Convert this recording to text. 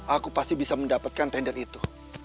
aku pasti bisa mendapatkan tender itu